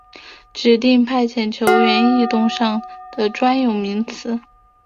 指定派遣球员异动上的专有名词。